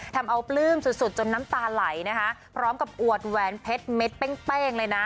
ทำเอาปลื้มสุดสุดจนน้ำตาไหลนะคะพร้อมกับอวดแหวนเพชรเม็ดเป้งเลยนะ